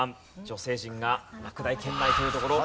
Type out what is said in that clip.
女性陣が落第圏内というところ。